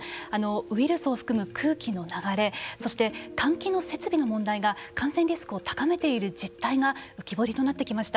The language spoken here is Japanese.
ウイルスを含む空気の流れそして換気の設備の問題が感染リスクを高めている実態が浮き彫りになってきました。